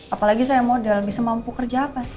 apalagi saya modal bisa mampu kerja apa sih